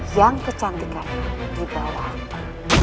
yang kecantikan di bawah